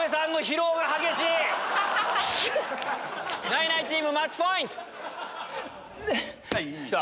ナイナイチームマッチポイント！来た！